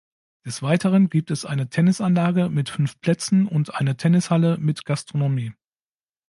Des Weiteren gibt es eine Tennisanlage mit fünf Plätzen und eine Tennishalle mit Gastronomie.